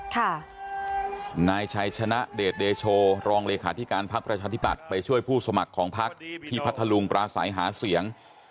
นายชัยชนะเดชเดโชรองเลขาธิการพักประชาธิบัติไปช่วยผู้สมัครของพักที่พัทธลุงปราศัยหาเสียง